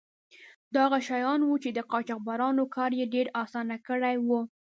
دا هغه شیان وو چې د قاچاقبرانو کار یې ډیر آسانه کړی و.